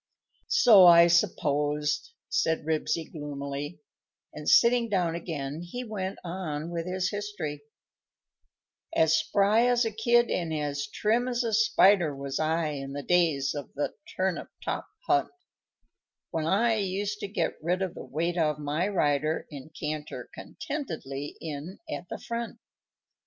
"So I supposed," said Ribsy, gloomily, and, sitting down again, he went on with his history: _As spry as a kid and as trim as a spider Was I in the days of the Turnip top Hunt, When I used to get rid of the weight of my rider And canter contentedly in at the front.